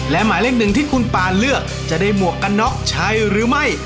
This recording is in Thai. และหมายเลขหนึ่งที่คุณปานเลือกจะได้หมวกกันน็อกใช่หรือไม่